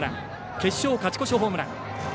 決勝、勝ち越しホームラン。